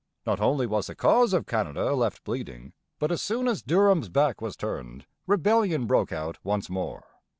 Not only was the cause of Canada left bleeding; but as soon as Durham's back was turned, rebellion broke out once more.